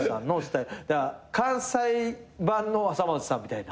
だから関西版のさまぁずさんみたいな。